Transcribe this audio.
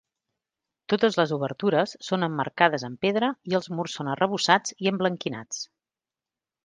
Totes les obertures són emmarcades amb pedra i els murs són arrebossats i emblanquinats.